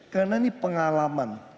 karena ini pengalaman